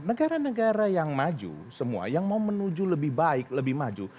negara negara yang maju semua yang mau menuju lebih baik lebih maju